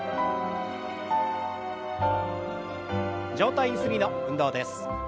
上体ゆすりの運動です。